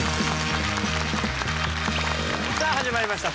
さあ始まりました